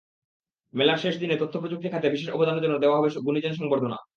মেলার শেষ দিনে তথ্যপ্রযুক্তি খাতে বিশেষ অবদানের জন্য দেওয়া হবে গুণীজন সংবর্ধনা।